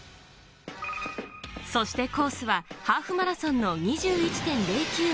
そしてコースはハーフマラソンの２１．０９７５ｋｍ。